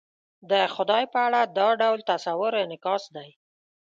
د خدای په اړه دا ډول تصور انعکاس دی.